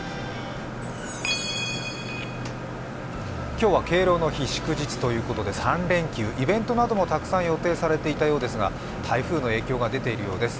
今日は敬老の日、祝日ということで３連休、イベントなどもたくさん予定されていたようですが台風の影響が出ているようです。